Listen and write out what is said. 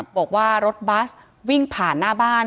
บอกว่ารถบัสวิ่งผ่านหน้าบ้าน